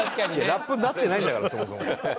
ラップになってないんだから。